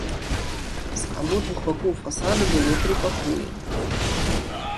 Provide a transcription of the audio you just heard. З абодвух бакоў фасада было тры пакоі.